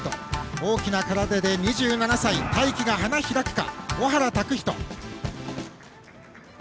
大きな空手で２８歳大器が開くか、尾原琢仁。